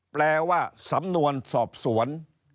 แปลว่าสำนวนสอบสวน